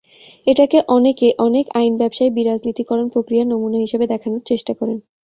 এটাকে অনেক আইন ব্যবসায়ী বিরাজনীতিকরণ প্রক্রিয়ার নমুনা হিসেবে দেখানোর চেষ্টা করেন।